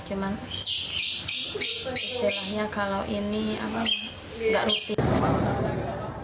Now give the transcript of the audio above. cuma istilahnya kalau ini nggak rutin